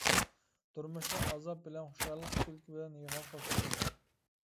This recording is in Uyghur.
تۇرمۇشتا ئازاب بىلەن خۇشاللىق، كۈلكە بىلەن يىغا قوشكېزەك.